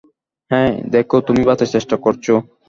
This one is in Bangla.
হেই, দেখো তুমি বাঁচার চেষ্টা করছো।